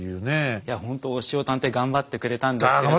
いやほんと押尾探偵頑張ってくれたんですけれども。